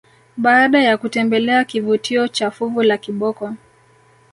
Baada ya kutembelea kivutio cha fuvu la kiboko